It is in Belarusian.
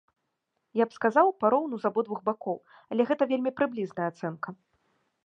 Я б сказаў, пароўну з абодвух бакоў, але гэта вельмі прыблізная ацэнка.